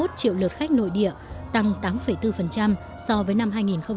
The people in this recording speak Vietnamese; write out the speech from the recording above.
một mươi chín ba mươi một triệu lượt khách nội địa tăng tám bốn so với năm hai nghìn một mươi sáu